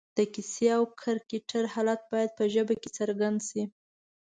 د کیسې او کرکټر حالت باید په ژبه کې څرګند شي